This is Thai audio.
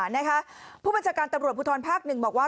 ผู้บัญชาการตำรวจภูทรภาค๑บอกว่า